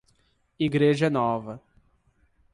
Igreja Nova